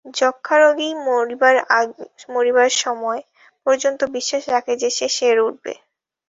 যক্ষ্মারোগী মরবার সময় পর্যন্ত বিশ্বাস রাখে যে, সে সেরে উঠবে।